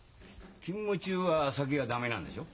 勤務中は酒は駄目なんでしょ？